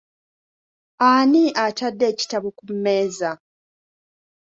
Ani atadde ekitabo ku mmeeza?